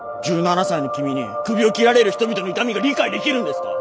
１７才の君にクビを切られる人々の痛みが理解できるんですか。